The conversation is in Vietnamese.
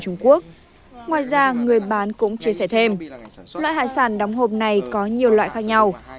ngoài ra người bán cũng chia sẻ thêm loại hải sản đóng hộp này có nhiều loại khác nhau